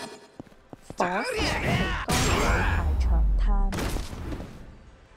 火燒旗杆有排長炭